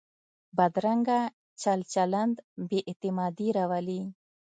بدرنګه چل چلند بې اعتمادي راولي